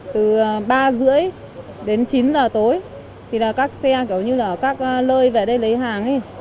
từ ba rưỡi đến chín giờ tối thì là các xe kiểu như là các lơi về đây lấy hàng ấy